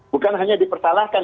bukan hanya dipersalahkan